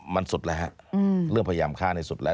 มันสุดแล้วฮะเรื่องพยายามฆ่าในสุดแล้ว